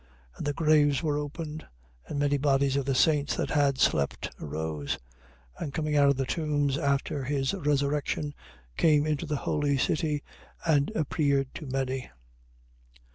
27:52. And the graves were opened: and many bodies of the saints that had slept arose, 27:53. And coming out of the tombs after his resurrection, came into the holy city and appeared to many.